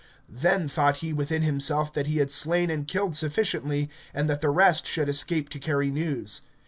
Then thought he within himself that he had slain and killed sufficiently, and that the rest should escape to carry news.